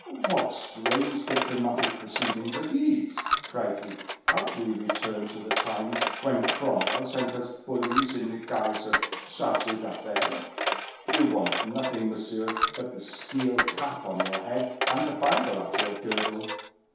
"What strange diplomatic proceedings are these!" cried he. "Have we returned to the times when Cromwell sent us bullies in the guise of charges d'affaires? You want nothing, monsieur, but the steel cap on your head, and a Bible at your girdle."